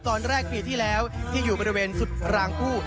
ตอนแรกปีที่แล้วที่อยู่บริเวณสุดรางผู้